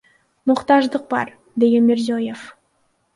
Муктаждык бар, — деген Мирзиёев.